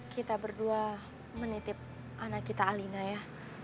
kita berdua menitip anak kita alina ya